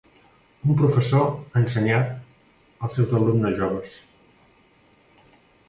Un professor ensenyat els seus alumnes joves.